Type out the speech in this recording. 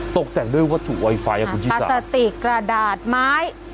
ตกแต่งด้วยวัตถุไวไฟอ่ะคุณชนะปกติกระดาษไม้